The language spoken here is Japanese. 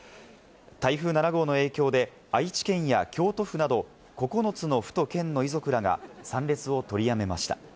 台風７号の影響で、愛知県や京都府など、９つの府と県の遺族らが参列を取りやめました。